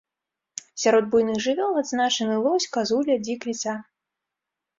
Сярод буйных жывёл адзначаны лось, казуля, дзік, ліса.